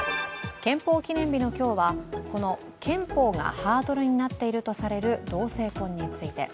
憲法記念日の今日は、この憲法がハードルになっているとされる同性婚について。